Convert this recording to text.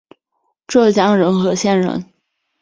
浙江仁和县人。